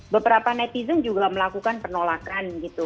beberapa netizen juga melakukan penolakan gitu